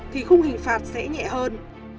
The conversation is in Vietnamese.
thì khung hình phạt sẽ nhẹ hơn